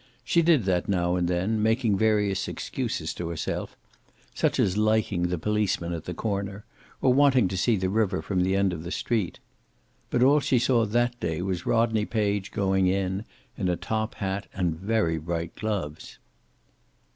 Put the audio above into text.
She did that now and then, making various excuses to herself, such as liking the policeman at the corner or wanting to see the river from the end of the street. But all she saw that day was Rodney Page going in, in a top hat and very bright gloves.